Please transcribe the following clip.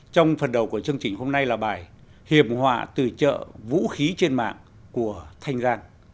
trong phần đầu của chương trình hôm nay là bài hiểm họa từ chợ vũ khí trên mạng của thanh giang